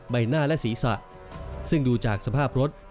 ใบหน้าและศีรษะซึ่งดูจากสภาพรถ